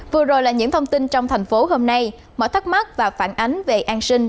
vừa rồi là những thông tin trong thành phố hôm nay mọi thắc mắc và phản ánh về an sinh